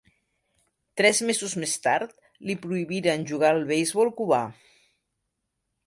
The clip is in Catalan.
Tres mesos més tard, li prohibiren jugar al beisbol cubà.